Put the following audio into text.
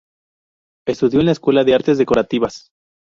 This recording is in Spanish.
Estudió en la Escuela de Artes Decorativas.